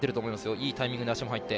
いいタイミングで足も入って。